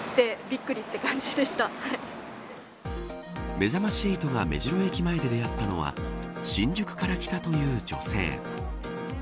めざまし８が目白駅前で出会ったのは新宿から来たという女性。